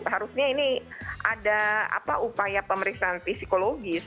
harusnya ini ada upaya pemeriksaan psikologis